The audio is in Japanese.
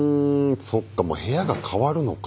そっかもう部屋が変わるのか。